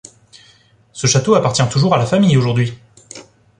Ce château appartient toujours à la famille aujourd'hui.